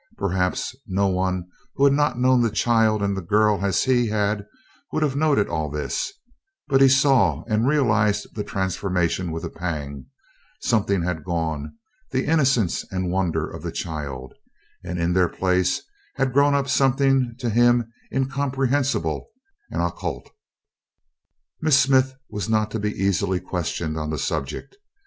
Perhaps no one who had not known the child and the girl as he had would have noted all this; but he saw and realized the transformation with a pang something had gone; the innocence and wonder of the child, and in their place had grown up something to him incomprehensible and occult. Miss Smith was not to be easily questioned on the subject.